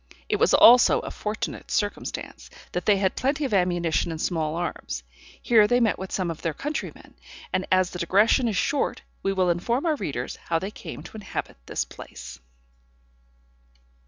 It was also a fortunate circumstance, that they had plenty of ammunition and small arms. Here they met with some of their countrymen; and as the digression is short, we will inform our readers how they came to inhabit this place.